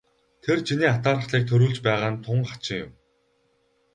Тэр чиний атаархлыг төрүүлж байгаа нь тун хачин юм.